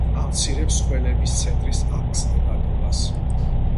ამცირებს ხველების ცენტრის აგზნებადობას.